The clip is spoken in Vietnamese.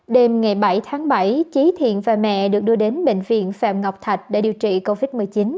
đêm ngày bảy tháng bảy trí thiện và mẹ được đưa đến bệnh viện phạm ngọc thạch để điều trị covid một mươi chín